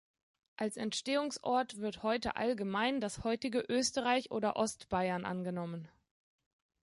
Als Entstehungsort wird heute allgemein das heutige Österreich oder Ostbayern angenommen.